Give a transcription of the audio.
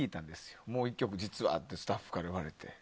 実はもう１曲ってスタッフから言われて。